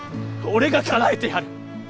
俺がかなえてやる！